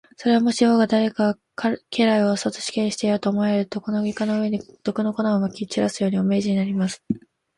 それは、もし王が誰か家来をそっと死刑にしてやろうと思われると、この床の上に、毒の粉をまき散らすように、お命じになります。